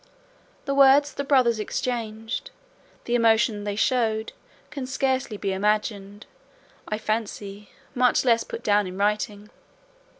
The words the brothers exchanged, the emotion they showed can scarcely be imagined, I fancy, much less put down in writing.